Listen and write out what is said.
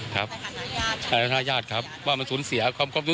ความความสูญเสีย